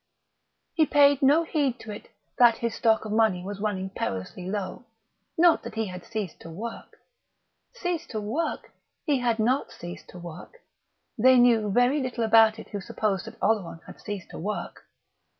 He paid no heed to it that his stock of money was running perilously low, nor that he had ceased to work. Ceased to work? He had not ceased to work. They knew very little about it who supposed that Oleron had ceased to work!